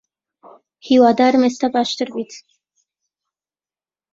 هیوادارم ئێستا باشتر بیت.